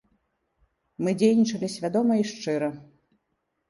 Мы дзейнічалі свядома і шчыра.